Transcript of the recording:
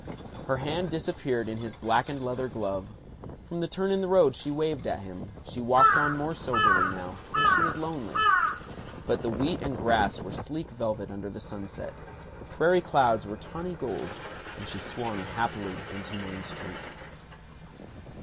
Her hand disappeared in his blackened leather glove. From the turn in the road she waved at him. She walked on more soberly now, and she was lonely. But the wheat and grass were sleek velvet under the sunset; the prairie clouds were tawny gold; and she swung happily into Main Street.